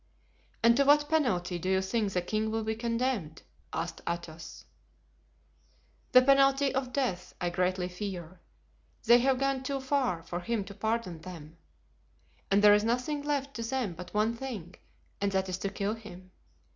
"And to what penalty do you think the king will be condemned?" asked Athos. "The penalty of death, I greatly fear; they have gone too far for him to pardon them, and there is nothing left to them but one thing, and that is to kill him.